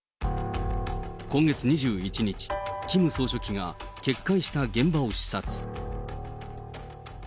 今月２１日、キム総書記が決壊した現場を視察。